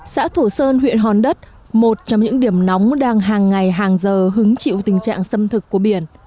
xã thổ sơn huyện hòn đất một trong những điểm nóng đang hàng ngày hàng giờ hứng chịu tình trạng xâm thực của biển